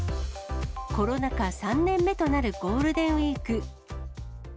コロナ禍３年目となるゴールデンウィーク。